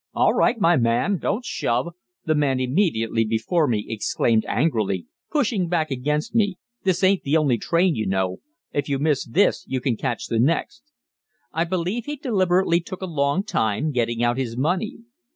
"All right, my man don't shove!" the man immediately before me exclaimed angrily, pushing back against me. "This ain't the only train, you know; if you miss this you can catch the next!" I believe he deliberately took a long time getting out his money.